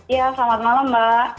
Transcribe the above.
ya selamat malam mbak